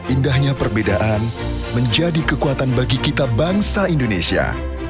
indahnya perbedaan menjadi kekuatan bagi kita bangsa indonesia